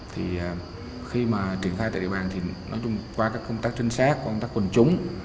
thì khi mà triển khai tại địa bàn thì nói chung qua các công tác trinh sát qua công tác quần chúng